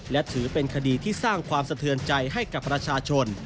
และถือเป็นคดีที่สร้างความสะเทือนใจให้กับประชาชน